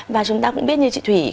và chúng ta cũng biết như chị thủy